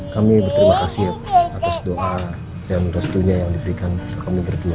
kami berterima kasih atas doa dan restunya yang diberikan kami berdua